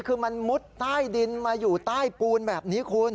คือมันมุดใต้ดินมาอยู่ใต้ปูนแบบนี้คุณ